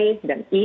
tiga t dan i